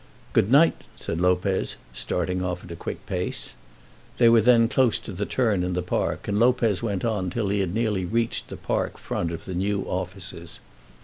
"Good night," said Lopez, starting off at a quick pace. They were then close to the turn in the park, and Lopez went on till he had nearly reached the park front of the new offices.